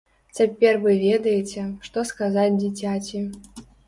Цяпер вы ведаеце, што сказаць дзіцяці.